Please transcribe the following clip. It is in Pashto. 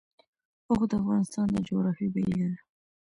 اوښ د افغانستان د جغرافیې بېلګه ده.